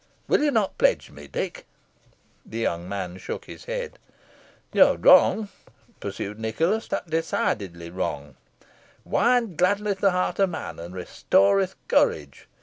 Will you not pledge me, Dick?" The young man shook his head. "You are wrong," pursued Nicholas, "decidedly wrong. Wine gladdeneth the heart of man, and restoreth courage.